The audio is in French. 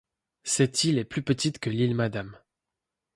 Cette île est plus petite que l'île Madame.